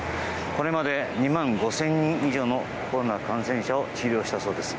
これまで２万５０００人以上のコロナ感染者を治療したそうです。